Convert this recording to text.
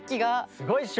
すごいっしょ！